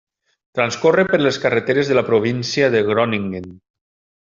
Transcorre per les carreteres de la Província de Groningen.